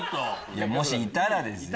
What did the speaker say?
もしいたらですよ。